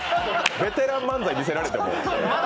ベテラン漫才見せられても。